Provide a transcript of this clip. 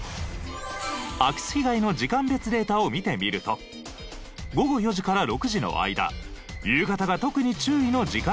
空き巣被害の時間別データを見てみると午後４時から６時の間夕方が特に注意の時間帯でした。